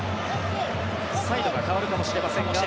サイドが変わるかもしれませんが。